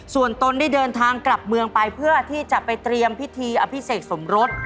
ส่วนตนได้เดินทางกลับเมืองไปเพื่อที่จะไปเตรียมพิธีอภิเษกสมรส